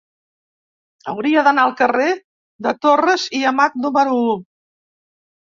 Hauria d'anar al carrer de Torres i Amat número u.